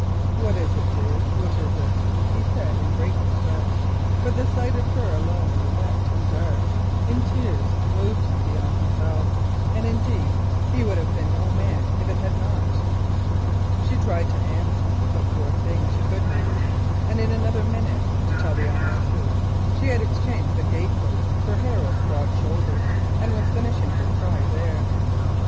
"What is it, dear, what is it?" he said in great distress, for the sight of her alone in the wet and dark, and in tears, moved him beyond himself. Indeed he would have been no man if it had not. She tried to answer, but she could not, and in another minute, to tell the honest truth, she had exchanged the gate post for Harold's broad shoulder, and was finishing her "cry" there.